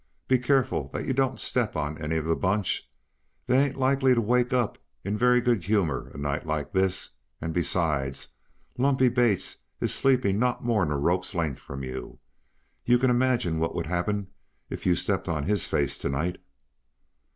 Be careful that you don't step on any of the bunch. They ain't likely to wake up in very good humor a night like this, and besides, Lumpy Bates is sleeping not more'n a rope's length from you. You can imagine what would happen if you stepped on his face to night."